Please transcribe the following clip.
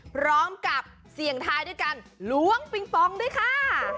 พร้อมกับเสี่ยงทายด้วยการล้วงปิงปองด้วยค่ะ